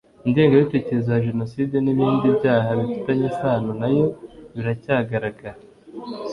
Ingengabitekerezo ya jenoside n ibindi byaha bifitanye isano na yo biracyagaragara